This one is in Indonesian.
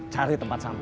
cari tempat sampah